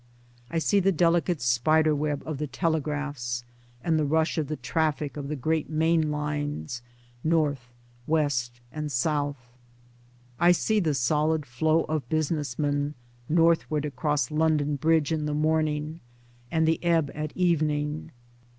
I see the delicate spider web of the telegraphs, and the rush of the traffic of the great main lines, North, West, and South. I see the solid flow of business men northward across London Bridge in the morn ing, and the ebb at evening.